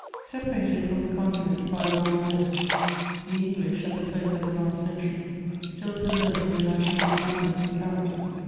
&ErARATEi> firom the Continoat hj a long war, the English, at the close of the last century, still preserved their national manners and diaracter.